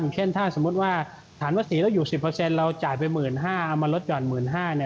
เช่นถ้าสมมติว่าฐานประสีล่ะอยู่๑๐เราจ่ายไป๑๕๐๐๐เอามาลดก่อน๑๕๐๐๐